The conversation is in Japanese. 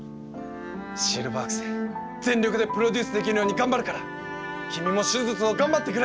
シルバーアクセ全力でプロデュースできるように頑張るから君も手術を頑張ってくれ！